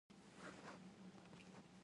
Bagaimana wawancara Anda?